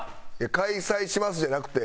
「開催します」じゃなくて。